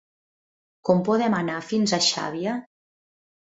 Com podem anar fins a Xàbia?